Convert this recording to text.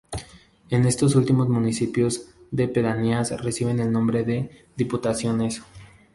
En estos últimos municipios las pedanías reciben el nombre de "diputaciones".